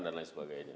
dan lain sebagainya